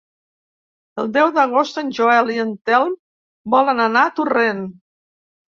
El deu d'agost en Joel i en Telm volen anar a Torrent.